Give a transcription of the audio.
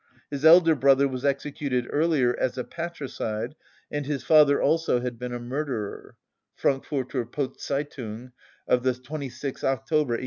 His elder brother was executed earlier as a patricide, and his father also had been a murderer (Frankfurter Postzeitung of the 26th October 1836).